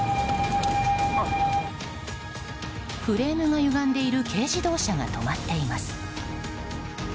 フレームがゆがんでいる軽自動車が止まっています。